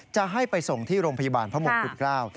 จะให้ไปส่งที่โรงพยาบาลพระมงกุฎเกล้า